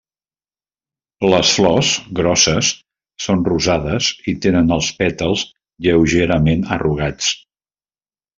Les flors, grosses, són rosades i tenen els pètals lleugerament arrugats.